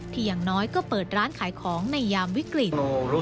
อย่างน้อยก็เปิดร้านขายของในยามวิกฤต